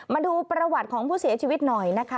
มาดูประวัติของผู้เสียชีวิตหน่อยนะคะ